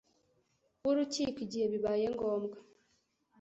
w urukiko igihe bibaye ngombwa